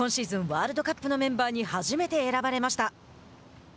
ワールドカップのメンバーに初めて選ばれました。